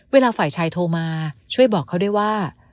เวลาฝ่ายชายโทรมาช่วยบอกเขาด้วยว่า